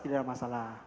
tidak ada masalah